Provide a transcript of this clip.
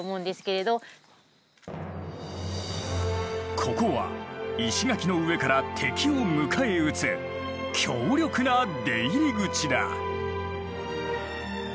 ここは石垣の上から敵を迎え撃つ強力な出入り口だ。